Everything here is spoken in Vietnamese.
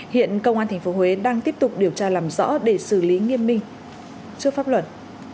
hiện công an tp huế đang tiếp tục điều tra làm rõ để xử lý nghiêm minh